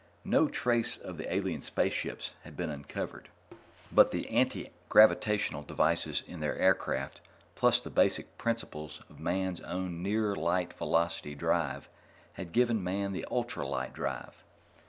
No trace of the alien spaceships had been uncovered, but the anti gravitational devices in their aircraft, plus the basic principles of Man's own near light velocity drive had given Man the ultralight drive.